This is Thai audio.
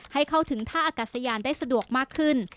ให้เข้าถึงท่าอากาศยานได้สะดวกมากขึ้น